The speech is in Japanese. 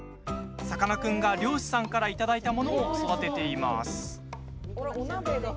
さかなクンが漁師さんからいただいたものを育てています。